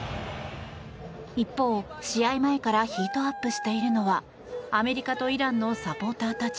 一方、試合前からヒートアップしているのはアメリカとイランのサポーターたち。